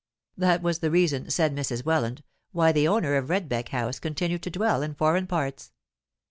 That was the reason, said Mrs. Welland, why the owner of Redbeck House continued to dwell in foreign parts.